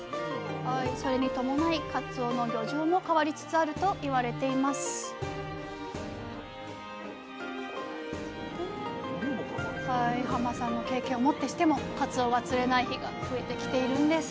それに伴いかつおの漁場も変わりつつあると言われていますさんの経験をもってしてもかつおが釣れない日が増えてきているんです